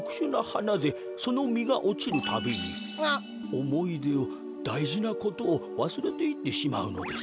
おもいでをだいじなことをわすれていってしまうのです。